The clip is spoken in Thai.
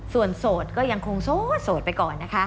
ส่วนโสดก็ยังคงโสดไปก่อนนะคะ